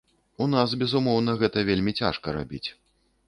У нас, безумоўна, гэта вельмі цяжка рабіць.